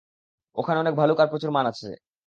ওখানে অনেক ভালুক আর প্রচুর মাছ আছে।